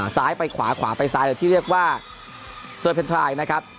ซ้ายไปขวาขวาไปซ้ายหรือที่เรียกว่าเซอร์เพนทรายนะครับ